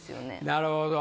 なるほど。